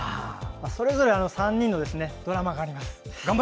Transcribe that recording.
それぞれ３人のドラマがあります。